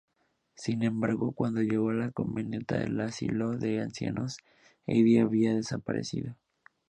Sin embargo, cuando llegó la camioneta del asilo de ancianos, Edie había desaparecido.